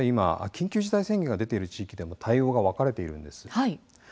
今緊急事態宣言が出ている地域でも対応が分かれています。